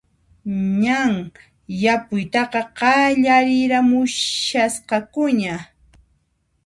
Ñan yapuytaqa qallariramushasqakuña